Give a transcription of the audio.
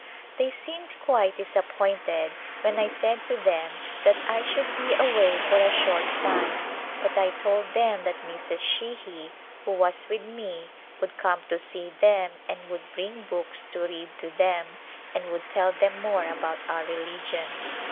They seemed quite disappointed when I said to them that I should be away for a short time, but I told them that Mrs. Sheahy who was with me would come to see them and would bring books to read to them and would tell them more about our religion.